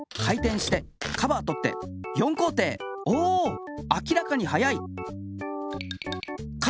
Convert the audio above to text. お明らかに早い！